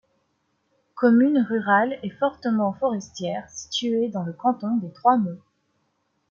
Commune rurale et fortement forestière située dans le canton des Trois Monts.